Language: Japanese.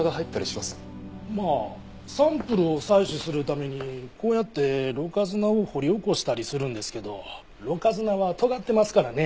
まあサンプルを採取するためにこうやってろ過砂を掘り起こしたりするんですけどろ過砂はとがってますからね。